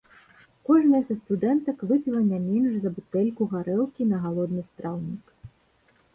Кожная са студэнтак выпіла не менш за бутэльку гарэлкі на галодны страўнік.